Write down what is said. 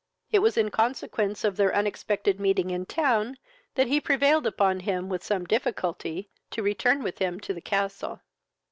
It was in consequence of their unexpected meeting in town that he prevailed upon him, with some difficulty, to return with him to the castle.